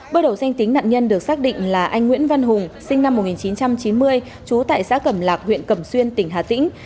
bước đầu danh tính nạn nhân được xác định là anh nguyễn văn hùng sinh năm một nghìn chín trăm chín mươi trú tại xã cẩm lạc huyện cẩm xuyên tỉnh hà tĩnh